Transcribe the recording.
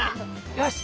よし！